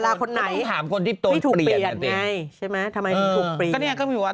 ถ้าไปถามนักแสดงเองไปถามใคร